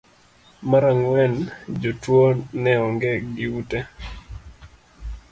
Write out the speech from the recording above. mar ang'wen jotuwo ne onge gi ute